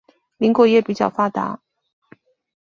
林果业比较发达。